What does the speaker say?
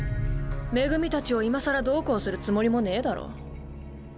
恵たちを今更どうこうするつもりもねぇだろ。